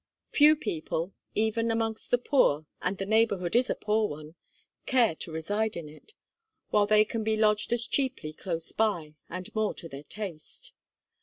Few people, even amongst the poor, and the neighbourhood is a poor one, care to reside in it, while they can be lodged as cheaply close by, and more to their taste.